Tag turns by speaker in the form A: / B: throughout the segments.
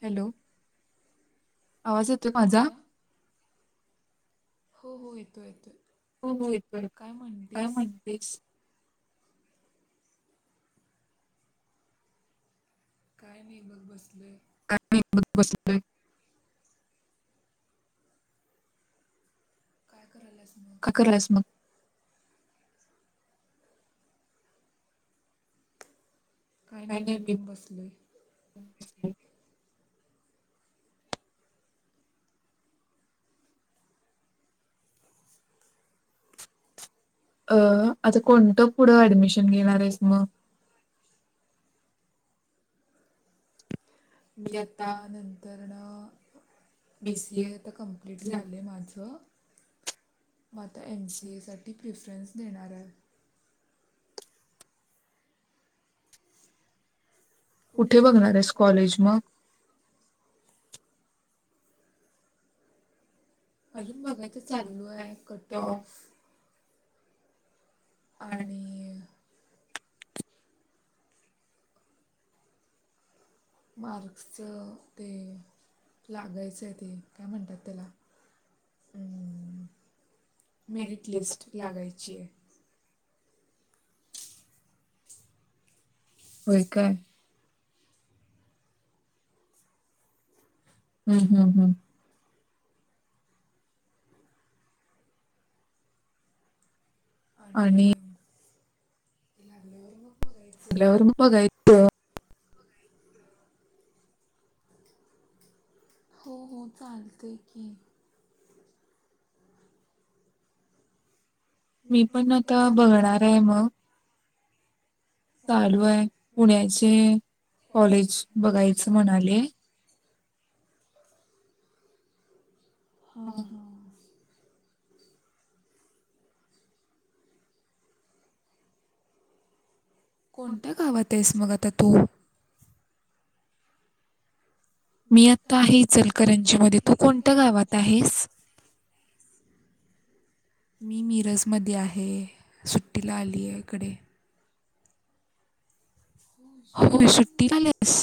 A: Hello, आवाज येतोय का माझा? हो हो येतोय येतोय
B: हो हो येतोय काय म्हणतेस?
A: काय नाही बघ, बसलोय.
B: काय नाही बघ बसलोय [inaudible]
A: काय कराल्यास मग
B: काय करालयास मग
A: काय नाही मी पण बसलोय.
B: ह अ आता कोणतं पुढं ऍडमिशन घेणार आहेस मग
A: मी आता नंतरण बी सी ए आता कमप्लीट झालंय माझं मग आता एम सी ए साठी प्रेफरन्स देणार आहे.
B: कुठे बघणार आहेस कॉलेज मग?
A: अजून बघायच चालू आहे, कट ऑफ आणि मार्क्सचं ते, लागायचंय ते. काय म्हणतात त्याला मेरिट लिस्ट लागायची ये. [inaudible] होय काय.
B: हू हू हू आणि [unintelligible]
A: [inaudible] हो हो चालते की.
B: मी पण आता बघणार ये मग. चालू आहे पुण्याचे कॉलेज बघायचं म्हणाले.
A: हू हू कोणत्या गावात येस मग आता तू.
B: मी आता आहे इचलकरंजी मध्ये तू कोणत्या गावात आहेस.
A: मी मिरज मध्ये आहे सुट्टीला आली आहे इकडे. हम्.
B: होय सुट्टीला आलेस.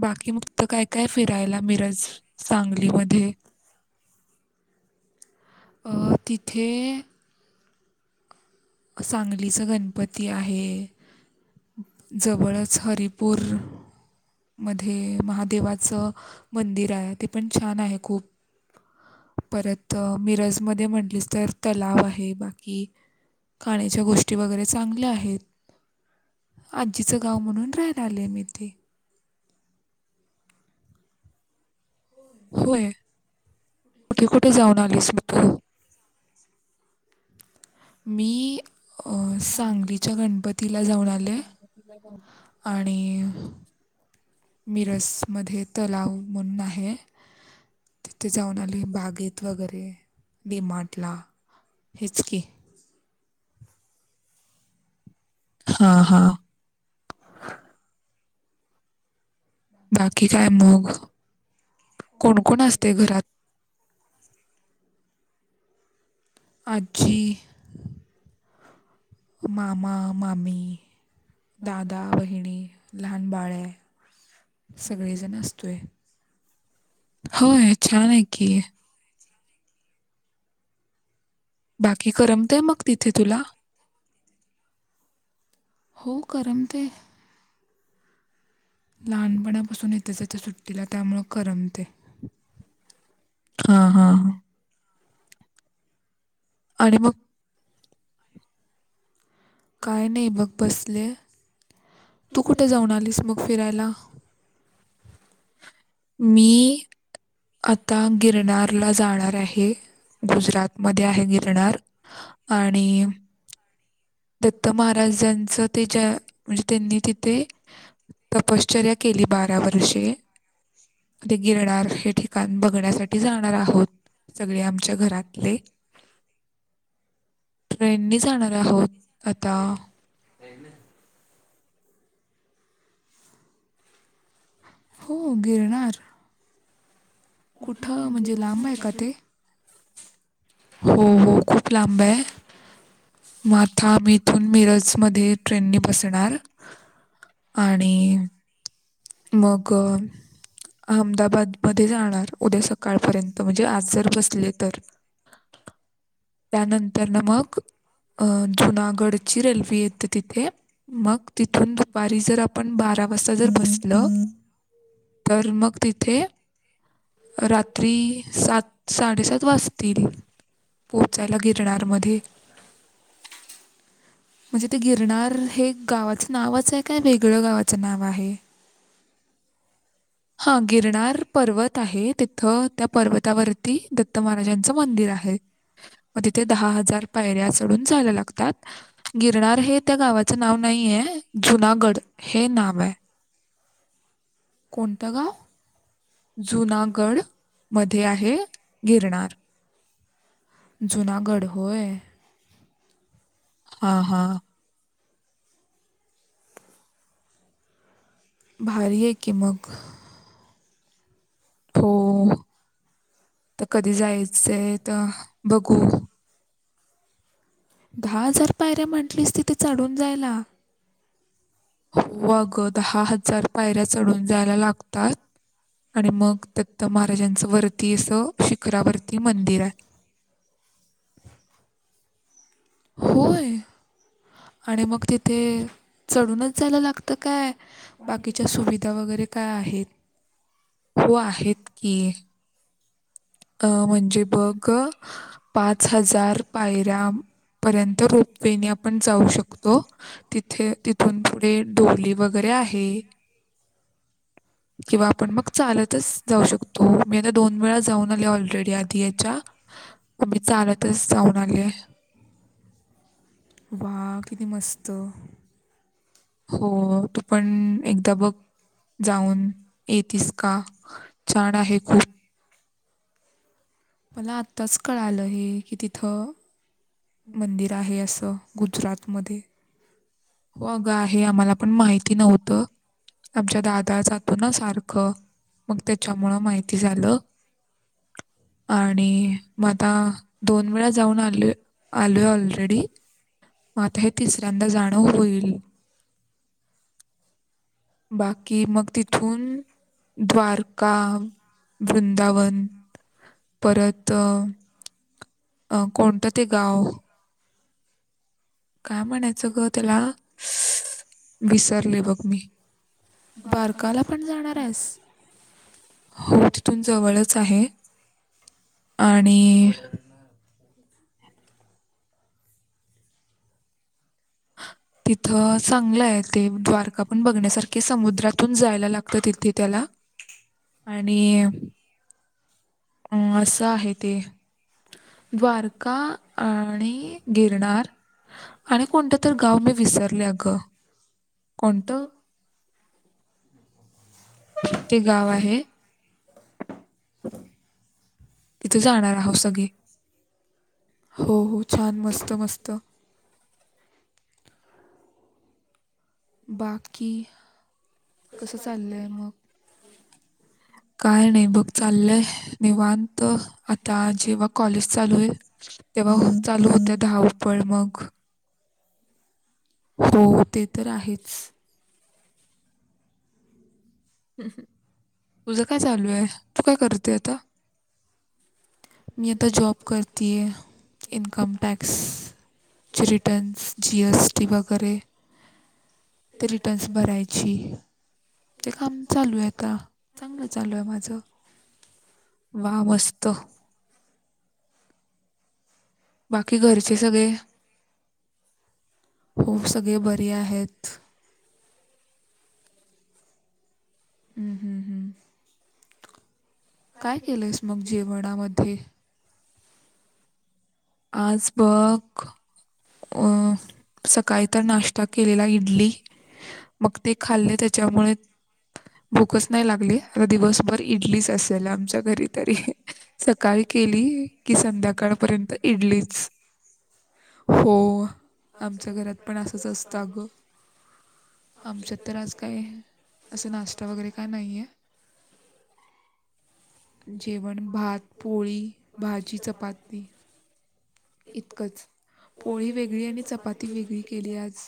B: बाकी मग तू काय काय फिरायला मिरज सांगलीमध्ये.
A: अ तिथे सांगलीचा गणपती आहे. जवळच हरिपूर मध्ये महादेवाचं मंदिर आहे ते पण छान आहे खूप. परत मिरजमध्ये म्हटलीच तर तलाव आहे बाकी खाण्याच्या गोष्टी वगैरे चांगल्या आहेत. आजीचं गाव म्हणून राहायला आले मी इथे.
B: होय कुठे कुठे जाऊन आलेस मग तू.
A: मी अ सांगलीच्या गणपतीला जाऊन आले.
B: [inaudible]
A: आणि मिरजमध्ये तलाव म्हणून आहे. तिथे जाऊन आले बागेत वगैरे डीमार्टला हेच की.
B: हा हा. बाकी काय मग कोण कोण असते घरात.
A: आजी मामा मामी. दादा बहिणी लहान बाळ सगळेजण असतोय.
B: होय छान ये की. बाकी करमते मग तिथे तुला.
A: हो करमतय. लहानपणापासून येथेच येते सुट्टीला त्यामुळ करमतय.
B: हा हा हा. आणि मग
A: काय नाही बग बसले तू कुठे जाऊन आलीस मग फिरायला.
B: मी आता गिरनार ला जाणार आहे गुजरात मध्ये आहे गिरनार. आणि दत्त महाराजांचं ते ज म्हणजे त्यांनी तिथे तपश्चर्या केली बारा वर्षे.
A: [inaudible]
B: ते गिरणार हे ठिकाण बघण्यासाठी जाणार आहोत. सगळे आमच्या घरातले. ट्रेननी जाणार आहोत, आता
A: नाही [unintelligible] हो गिरणार. कुठं म्हणजे लांब आहे का ते.
B: हो हो खूप लांब आहे. माथा मी इथून मिरज मध्ये ट्रेननी बसणार. आणि
A: किंवा बस
B: अहमदाबादमध्ये जाणार उद्या सकाळपर्यंत म्हणजे आज जर बसले तर. त्यानंतर न मग अ जुनागडची रेल्वे येते तिथे, मग तिथून दुपारी जर आप पण बारा वाजता जर बसल, तर मग तिथे रात्री सात साडेसात वाजतील. पोहोचायला गिरणार मध्ये
A: म्हणजे ते गिरणार हे गावाचं नावच आहे काय वेगळं गावाचं नाव आहे.
B: हा गिरणार पर्वत आहे तिथं त्या पर्वतावरती दत्त महाराजांचं मंदिर आहे. मग तिथे दहा हजार पायऱ्या चढून जायला लागतात. गिरणार हे त्या गावाचं नाव नाहीये जुनागड हे नाव आहे.
A: कोणता गाव?
B: जुनागड मध्ये आहे गिरणार.
A: जुनागड होय.
B: हा हा.
A: भारीये कि मग.
B: हो, [unintelligible] कधी जायचंय त बघू.
A: दहा हजार पायऱ्या म्हटलीस तिथ चढून जायला.
B: वाग दहा हजार पायऱ्या चढून जायला लागतात. आणि मग दत्त महाराजांच वरती असं शिखरावरती मंदिर आहे.
A: होय आणि मग तिथे चढूनच जायला लागतं काय, बाकीच्या सुविधा वगैरे काय आहेत.
B: हो आहेत की. अ म्हणजे बघ, पाच हजार पायऱ्या पर्यंत रोपे ने आपण जाऊ शकतो तिथे तिथून पुढे डोली वगैरे आहे. किंवा आपण मग चालतच जाऊ शकतो मी आता दोन वेळा जाऊन ऑलरेडी आधी याच्या, आम्ही चालतच जाऊन आलय.
A: वा किती मस्त.
B: हो तू पण एकदा बघ. जाऊन येतीस का? छान आहे खूप.
A: मला आत्ताच कळालं हे की तिथं, मंदिर आहे असं. गुजरातमध्ये
B: हो ग आहे आम्हाला पण माहिती नव्हतं. आमच्या दादा जातो ना सारखं मग त्याच्यामुळं माहिती झालं. आणि म आता दोन वेळा जाऊन आलो. आलोय ऑलरेडी, मग आता हे तिसऱ्यांदा जाण होईल. बाकी मग तिथून
A: द्वारका, वृंदावन
B: परत, कोणतं ते गाव काय म्हणायचं ग त्याला. विसरले बघ.
A: द्वारकाला पण जाणार आहेस.
B: हो तिथून जवळच आहे. आणि [inaudible] तिथं चांगलं आहे ते, द्वारका पण बघण्यासारखे, समुद्रातून जायला लागतं तिथे त्याला
A: [inaudible]
B: आणि अं, असं आहे ते द्वारका आणि गिरनार. आणि कोणतं तर, गाव मी विसरलय अग कोणतं ते गाव आहे. तिथे जाणार आहोत सगळे.
A: हो हो, छान, मस्त मस्त. बाकी कसं चाललं आहे. मग
B: काय नाही बघ चाललय. निवांत आता आजी कॉलेज चालू होईल, तेव्हा चालू होत्या धावपळ मग
A: हो ते तर आहेच.
B: हं तुझ काय चालू आहे, तू काय करते आता.
A: मी आता जॉब करती आहे, इनकम टॅक्स चे रिटर्न्स, जी एस टी वगैरे ते रिटर्न्स भरायची ते काम चालू आहे का, चांगलं चालू आहे माझं
B: वा मस्त. बाकी घरचे सगळे
A: हो सगळे बरे आहेत. हं हं हं. काय केलंयस मग जेवणामध्ये.
B: आज बघ, अं सकाळी तर नाश्ता केलेला इडली, मग ते खाल्लय त्याच्यामुळे भूकच नाही लागली, आता दिवसभर इडलीच असेल आमच्या घरी तरी. सकाळी केली कि संध्याकाळपर्यंत इडलीच.
A: आमच्या घरात पण असंच असतं अग. आमच्यात तर आज काय असं नाश्ता वगैरे काय नाही आहे. जेवण भात, पोळी, भाजी, चपाती इतकंच पोळी वेगळी आणि चपाती वेगळी केली आज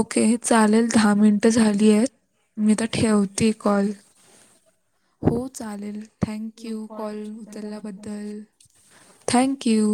B: ओके, चालेल दहा मिनट झालीय. मी तर ठेवते कॉल.
A: [inaudible] हो चालेल, थँक यू कॉल उचलल्याबद्दल.
B: Thank you.